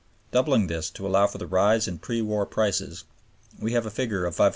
Doubling this to allow for the rise in pre war prices, we have a figure of $500,000,000.